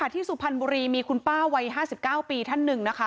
ที่สุพรรณบุรีมีคุณป้าวัย๕๙ปีท่านหนึ่งนะคะ